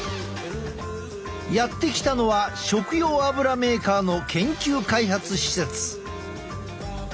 やって来たのは食用油メーカーの研究開発施設。